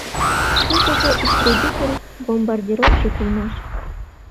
тудыжо истребитель-бомбардировщик улмаш